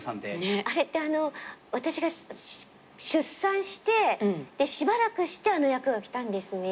あれって私が出産してしばらくしてあの役がきたんですね。